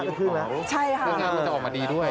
เรื่องงานมันจะออกมาดีด้วย